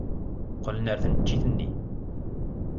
Qqlen ɣer tneččit-nni.